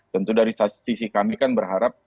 tentu dari sisi kami kan berharap